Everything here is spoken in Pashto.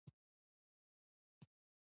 وزې له کوچنیانو سره مینه لري